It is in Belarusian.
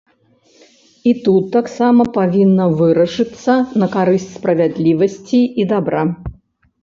І тут таксама павінна вырашыцца на карысць справядлівасці і дабра.